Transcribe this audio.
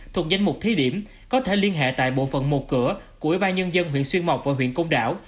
thuộc danh mục thí điểm có thể liên hệ tại bộ phận một cửa của ủy ban nhân dân huyện xuyên mộc và huyện công đảo